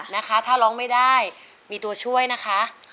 นะคะถ้าร้องไม่ได้มีตัวช่วยนะคะ